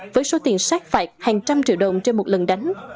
với số tiền sát phạt hàng trăm triệu đồng trên một lần đánh